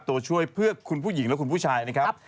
ตัวช่วยเพื่อคุณผู้หญิงและคุณผู้ชายนะครับ